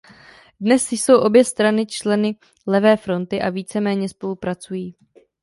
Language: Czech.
Dnes jsou obě strany členy Levé fronty a víceméně spolupracují.